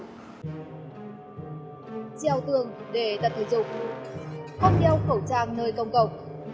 treo tường để tập thể dục không đeo khẩu trang nơi công cộng